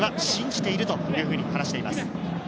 常に私達は信じているというふうに話しています。